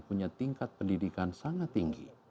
punya tingkat pendidikan sangat tinggi